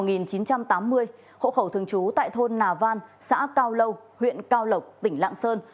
sinh năm một nghìn chín trăm tám mươi hộ khẩu thường trú tại thôn nà văn xã cao lâu huyện cao lộc tỉnh lạng sơn